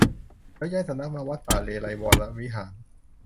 แล้วย้ายสำนักมาวัดป่าเลไลยก์วรวิหาร